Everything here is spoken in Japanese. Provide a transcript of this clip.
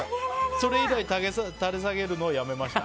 それ以外垂れ下げるのをやめました。